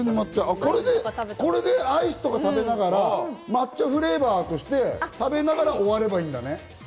これでアイスとか食べながら抹茶フレーバーとして食べながら終わればいいんだね。